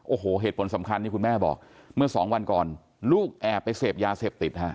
โอ้โหเหตุผลสำคัญนี่คุณแม่บอกเมื่อสองวันก่อนลูกแอบไปเสพยาเสพติดฮะ